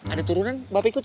ada turunan bapak ikut